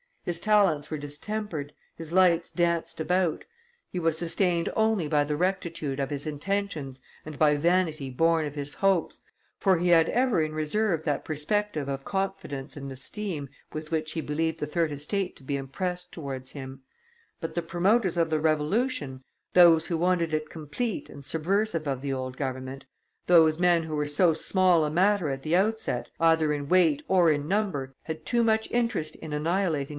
His talents were distempered, his lights danced about, he was, sustained only by the rectitude of his intentions and by vanity born of his hopes, for he had ever in reserve that perspective of confidence and esteem with which he believed the third estate to be impressed towards him; but the promoters of the revolution, those who wanted it complete and subversive of the old government, those men who were so small a matter at the outset, either in weight or in number, had too much interest in annihilating M.